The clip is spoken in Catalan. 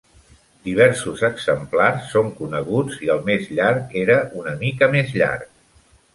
Diversos exemplars són coneguts i el més llarg era una mica més llarg.